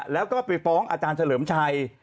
แล้วก็ไปฟ้องอาจารย์เฉลิมชัย